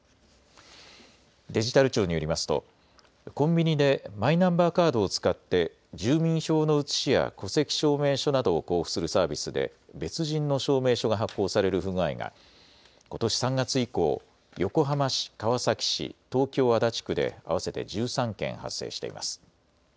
デジタル庁によりますとコンビニでマイナンバーカードを使って住民票の写しや戸籍証明書などを交付するサービスで別人の証明書が発行される不具合がことし３月以降、横浜市、川崎市、東京足立区で合わせて１３件発生しています。